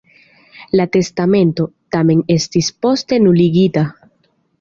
La testamento, tamen, estis poste nuligita.